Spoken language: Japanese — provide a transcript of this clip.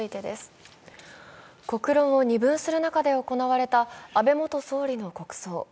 国論を二分する中で行われた安倍元総理の国葬。